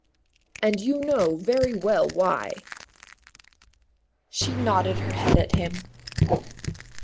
"And you know very well why." She nodded her head at him.